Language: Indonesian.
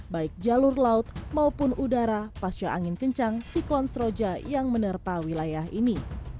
baik jalur laut maupun udara pasca angin kencang siklon seroja yang menerpa wilayah ini